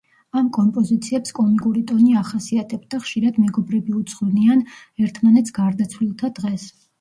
ამ კომპოზიციებს კომიკური ტონი ახასიათებთ და ხშირად მეგობრები უძღვნიან ერთმანეთს გარდაცვლილთა დღეს.